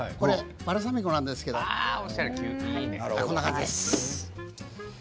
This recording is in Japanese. バルサミコ酢なんですけどこんな感じです。